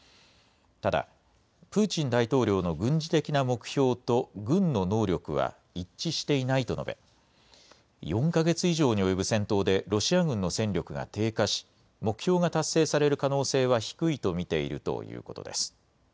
ただ、プーチン大統領の軍事的な目標と軍の能力は一致していないと述べ、４か月以上に及ぶ戦闘で、ロシア軍の戦力が低下し、目標が達成される可能性は低いと見ているということです。